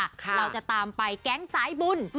เราจะตามไปแก๊งสายบุญ